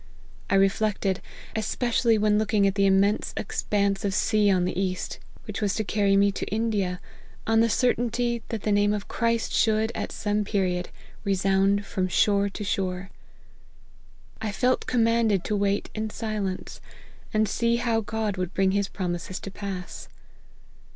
I reflected, especially when looking at the immense expanse of sea on the east, which was to carry me to India, on the certainty that the name of Christ should, at some period, re sound from shore to shore. I felt commanded to wait in silence, and see how God would bring his promises to pass.